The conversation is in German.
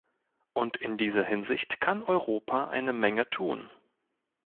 Und in dieser Hinsicht kann Europa eine Menge tun.